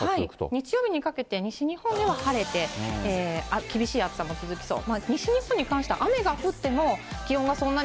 日曜日にかけて西日本では晴れて厳しい暑さが続きそう。